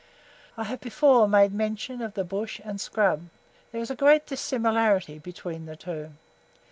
I have before made mention of the bush and scrub; there is a great dissimilarity between the two.